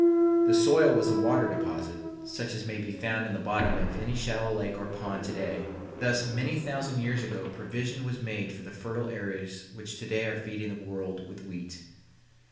The soil was a water deposit, such as may be found in the bottom of any shallow lake or pond to day, and thus many thousand years ago provision was made for the fertile areas which to day are feeding the world with wheat.